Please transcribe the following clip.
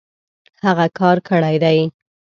هغۀ کار کړی دی